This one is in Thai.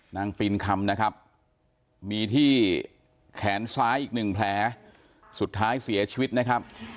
ปีนคำนะครับมีที่แขนซ้ายอีกหนึ่งแผลสุดท้ายเสียชีวิตนะครับ